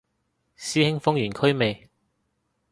師兄封完區未